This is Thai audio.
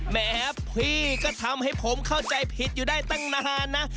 แหมพี่ก็ทำให้ผมเข้าใจผิดอยู่ได้ตั้งนานนะ